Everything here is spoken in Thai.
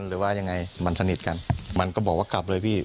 หรือว่ายังไงมันสนิทกันมันก็บอกว่ากลับเลยพี่